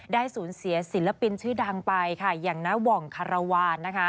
ได้สูญเสียศิลปินชื่อดังไปอย่างหน้าหว่องขอระวาน